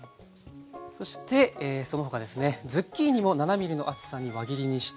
そしてその他ですねズッキーニも７ｍｍの厚さに輪切りにしてあります。